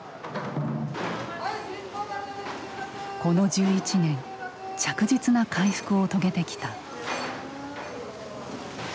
この１１年着実な回復を遂げてきた。